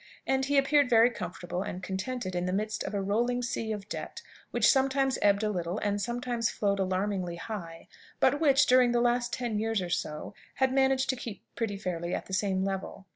And he appeared very comfortable and contented in the midst of a rolling sea of debt, which sometimes ebbed a little, and sometimes flowed alarmingly high; but which, during the last ten years or so, he had managed to keep pretty fairly at the same level.